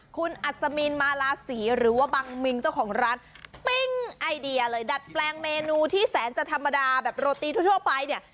คุณอัศมีนมาลาศรีหรือว่าบังมิงเจ้าของร้านปิ้งไอเดียเลยดัดแปลงเมนูที่แสนจะธรรมดาแบบโรตีทั่วไปเนี่ย